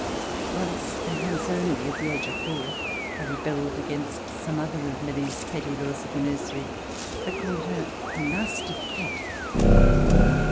Once and once only, at the age of four, I rebelled against some other of Milly's petty laws of the nursery. I called her a " nasty cat."